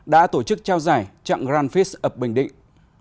đã tổ chức trao giải trạng grand prix ở bình định